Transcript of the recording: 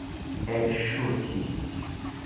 elŝutis